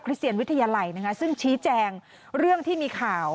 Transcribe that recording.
เซียนวิทยาลัยนะคะซึ่งชี้แจงเรื่องที่มีข่าว